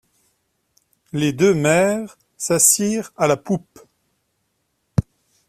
Les deux mères s'assirent à la poupe.